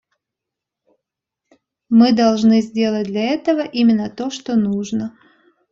Мы должны сделать для этого именно то, что нужно.